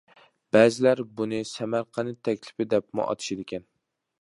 بەزىلەر بۇنى سەمەرقەنت تەكلىپى دەپمۇ ئاتىشىدىكەن.